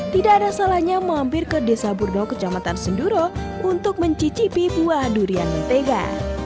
tidak ada salahnya mampir ke desa burdo kecamatan senduro untuk mencicipi buah durian mentega